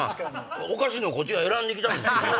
おかしいのこっちが選んで来たんですけど。